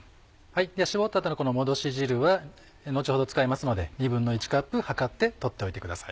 絞った後のこの戻し汁は後ほど使いますので１／２カップ量って取っておいてください。